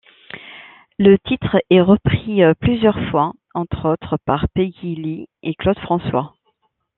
Le titre est repris plusieurs fois, entre autres par Peggy Lee et Claude François.